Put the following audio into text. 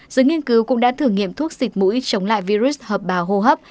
giới nghiên cứu cũng đã thử nghiệm thuốc xịt mũi chống lại virus hợp bào hô hấp